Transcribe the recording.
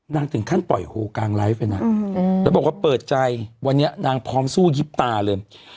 ถึงขั้นปล่อยโฮกลางไลฟ์เลยนะแล้วบอกว่าเปิดใจวันนี้นางพร้อมสู้ยิบตาเลย